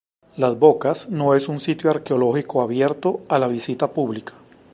Las Bocas no es un sitio arqueológico abierto a la visita pública.